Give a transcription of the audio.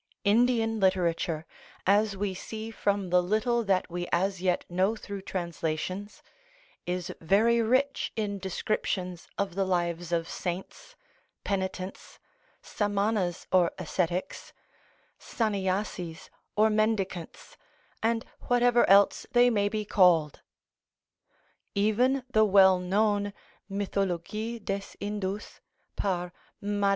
Indian literature, as we see from the little that we as yet know through translations, is very rich in descriptions of the lives of saints, penitents, Samanas or ascetics, Sannyâsis or mendicants, and whatever else they may be called. Even the well known "Mythologie des Indous, par Mad.